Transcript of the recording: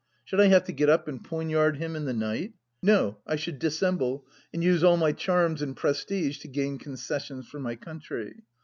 Should I have to get up and poignard him in the night ? No ; I should dissemble and use all my charms and prestige to gain concessions for my country.